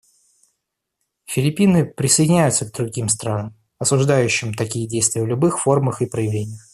Филиппины присоединяются к другим странам, осуждающим такие действия в любых формах и проявлениях.